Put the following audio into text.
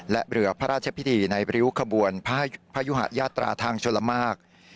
และเรือพระราชพิธีในริ้วขบวนพยุหะยาตราทางชลมาก